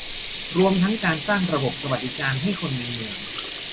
รวมทั้งการสร้างระบบสวัสสดิการให้คนในเมือง